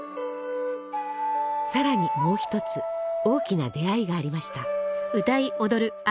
さらにもう一つ大きな出会いがありました。